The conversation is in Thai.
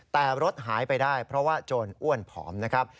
แต่รถหายไปได้เพราะว่าโจรอ้วนผอมนะครับ